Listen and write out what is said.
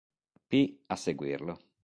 P. a seguirlo.